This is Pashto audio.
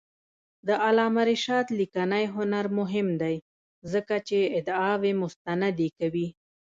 د علامه رشاد لیکنی هنر مهم دی ځکه چې ادعاوې مستندې کوي.